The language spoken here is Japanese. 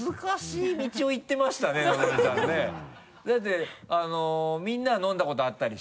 だってみんなは飲んだことあったりして。